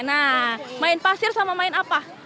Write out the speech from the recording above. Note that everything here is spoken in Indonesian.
nah main pasir sama main apa